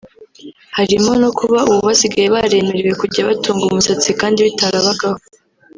harimo no kuba ubu basigaye baremerewe kujya batunga umusatsi kandi bitarabagaho